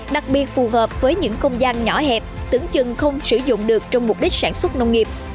đặc biệt phù hợp với những không gian nhỏ hẹp tưởng chừng không sử dụng được trong mục đích sản xuất nông nghiệp